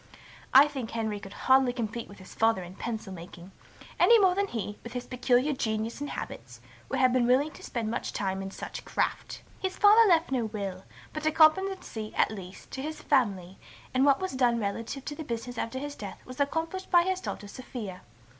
I think Henry could hardly compete with his father in pencil making, any more than he, with his peculiar genius and habits, would have been willing to spend much time in such 'craft.' His father left no will, but a competency, at least, to his family, and what was done relative to the business after his death was accomplished by his daughter Sophia.